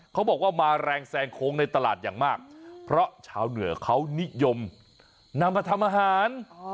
เขาบอกว่ามาแรงแซงโค้งในตลาดอย่างมากเพราะชาวเหนือเขานิยมนำมาทำอาหาร